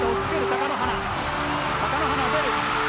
貴乃花、出る。